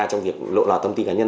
trong việc lộ loạt thông tin cá nhân